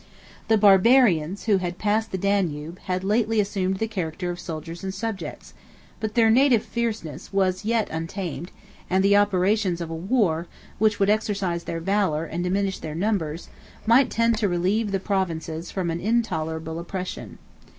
The Barbarians, who had passed the Danube, had lately assumed the character of soldiers and subjects, but their native fierceness was yet untamed: and the operations of a war, which would exercise their valor, and diminish their numbers, might tend to relieve the provinces from an intolerable oppression.